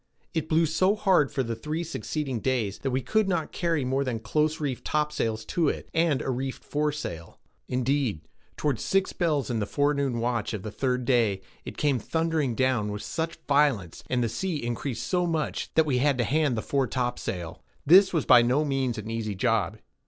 It blew so hard for the three succeeding days, that we could not carry more than close reefed topsails to it, and a reefed foresail. Indeed, toward six bells in the forenoon watch of the third day, it came thundering down with such violence, and the sea increased so much, that we had to hand the fore topsail. This was by no means an easy job.